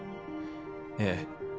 ええ。